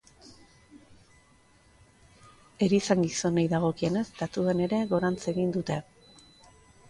Erizain gizonei dagokienez, datuen ere gorantz egin dute.